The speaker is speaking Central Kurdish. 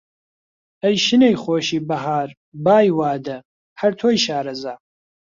ئەی شنەی خۆشی بەهار، بای وادە! هەر تۆی شارەزا